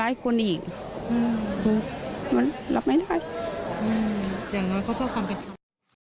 ร้ายคนอีกอืมมันรับไม่ได้อืมเดี๋ยวงั้นเขาทำเป็น